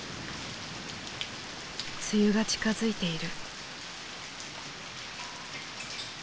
梅雨が近づいている。